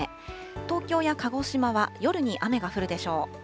東京や鹿児島は夜に雨が降るでしょう。